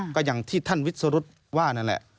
ก็อย่างที่ท่านวิสรุธว่านั่นแหละ